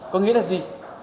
có nghĩa là gì